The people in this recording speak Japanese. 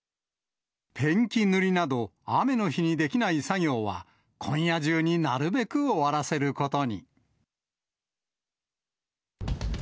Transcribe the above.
ペンキ塗りなど、雨の日にできない作業は、今夜中になるべく終わらせることに。